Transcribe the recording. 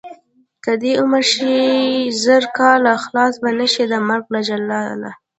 که دې عمر شي زر کاله خلاص به نشې د مرګ له جاله.